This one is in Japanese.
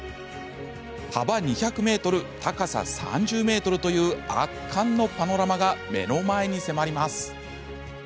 幅２００ｍ、高さ３０ｍという圧巻のパノラマが目の前に迫ります。